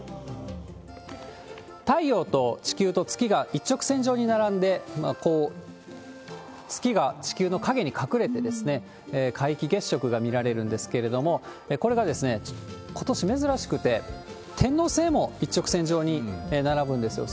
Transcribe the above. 太陽と地球と月が一直線上に並んで、こう、月が地球の影に隠れて、皆既月食が見られるんですけれども、これがことし珍しくて、天王星も一直線上に並ぶんですよ。